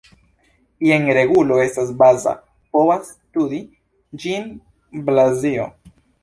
Jen regulo estas baza, povas studi ĝin Blazio.